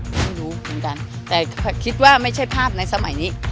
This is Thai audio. ไม่รู้เหมือนกันแต่คิดว่าไม่ใช่ภาพในสมัยนี้